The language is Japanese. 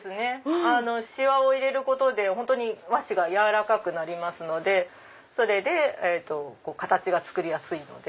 しわを入れることで和紙が軟らかくなりますのでそれで形が作りやすいので。